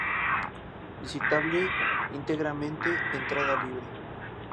Visitable íntegramente, entrada libre.